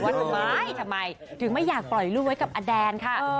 ทำไมทำไมถึงไม่อยากปล่อยลูกไว้กับอแดนค่ะ